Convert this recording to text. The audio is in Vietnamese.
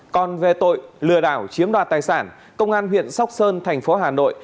còn về tội lừa đảo chiếm đoạt tài sản công an huyện sóc sơn thành phố hà nội